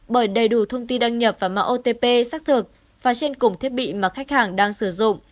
bởi đầy đủ thông tin đăng nhập vào mạng otp xác thực và trên cùng thiết bị mà khách hàng đang sử dụng